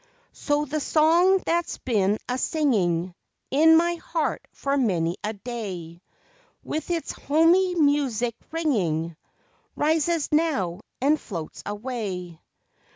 So, the ,song that's been asinging In my heart for many a day, With its homey music ringing, Rises now and floats away.